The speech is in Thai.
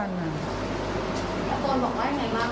ตะโกนบอกว่ายังไงบ้าง